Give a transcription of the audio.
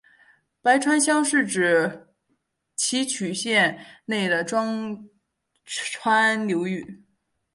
白川乡是指岐阜县内的庄川流域。